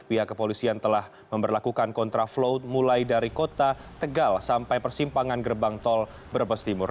pihak kepolisian telah memperlakukan kontraflow mulai dari kota tegal sampai persimpangan gerbang tol brebes timur